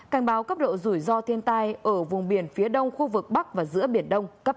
cảnh báo cấp độ rủi ro thiên tai ở vùng biển phía đông khu vực bắc và giữa biển đông cấp ba